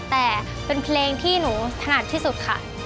แต่เป็นเพลงที่หนูถนัดที่สุดค่ะ